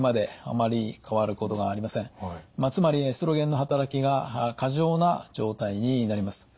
つまりエストロゲンの働きが過剰な状態になります。